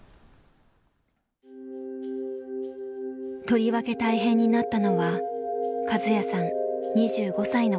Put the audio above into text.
とりわけ大変になったのはカズヤさん２５歳の頃。